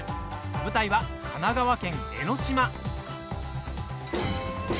舞台は神奈川県江の島。